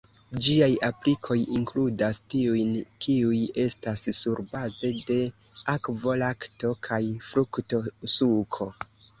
Ĝiaj aplikoj inkludas tiujn kiuj estas surbaze de akvo, lakto kaj frukto-suko.